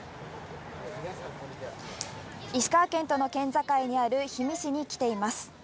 石川県との県境にある、氷見市に来ています。